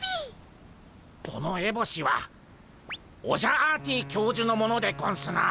このエボシはオジャアーティ教授のものでゴンスな。